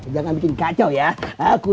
jangan bikin kacau ya